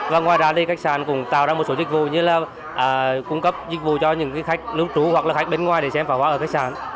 và ngoài ra thì khách sạn cũng tạo ra một số dịch vụ như là cung cấp dịch vụ cho những khách lưu trú hoặc là khách bên ngoài để xem pháo hoa ở khách sạn